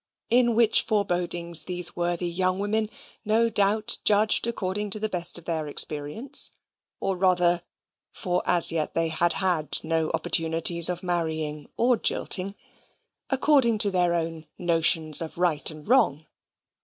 In which forebodings these worthy young women no doubt judged according to the best of their experience; or rather (for as yet they had had no opportunities of marrying or of jilting) according to their own notions of right and wrong.